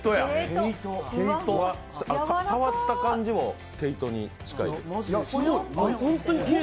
触った感じも毛糸に近い？